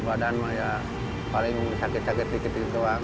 alhamdulillah kalau badan saya paling sakit sakit dikit dikit doang